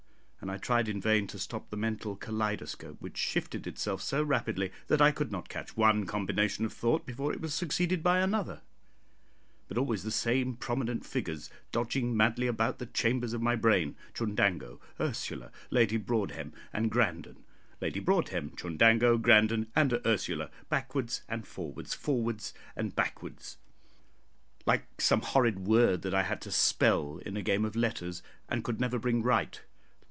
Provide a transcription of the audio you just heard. and I tried in vain to stop the mental kaleidoscope which shifted itself so rapidly that I could not catch one combination of thought before it was succeeded by another; but always the same prominent figures dodging madly about the chambers of my brain Chundango, Ursula, Lady Broadhem, and Grandon; Lady Broadhem, Chundango, Grandon, and Ursula backwards and forwards, forwards and backwards, like some horrid word that I had to spell in a game of letters, and could never bring right.